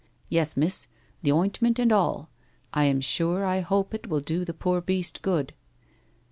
' Yes, miss. The ointment and all. I am sure I hope it will do the poor beast good.'